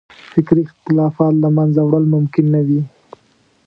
فکري اختلافات له منځه وړل ممکن نه وي.